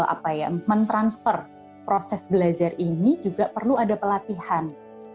apa ya mentransfer proses belajar ini juga perlu ada pelatihan